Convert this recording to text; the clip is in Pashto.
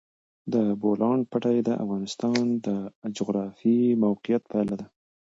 د بولان پټي د افغانستان د جغرافیایي موقیعت پایله ده.